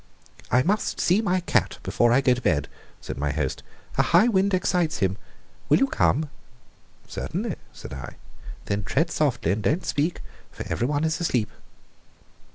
"I must see my cat before I go to bed," said my host. "A high wind excites him. Will you come?" "Certainly," said I. "Then tread softly and don't speak, for everyone is asleep."